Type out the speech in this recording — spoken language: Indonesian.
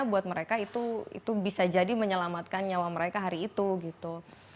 buat mereka itu bisa jadi menyelamatkan nyawa mereka hari itu gitu